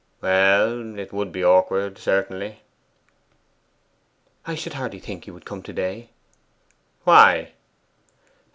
'Well, it would be awkward, certainly.' 'I should hardly think he would come to day.' 'Why?